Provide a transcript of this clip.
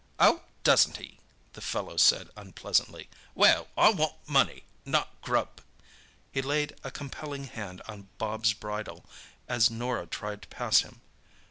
"Oh, doesn't he?" the fellow said unpleasantly. "Well, I want money, not grub." He laid a compelling hand on Bobs' bridle as Norah tried to pass him.